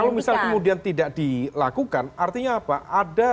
kalau misal kemudian tidak dilakukan artinya apa